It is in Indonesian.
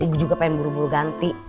ibu juga pengen buru buru ganti